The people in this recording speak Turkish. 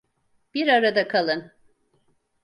Bir arada kalın!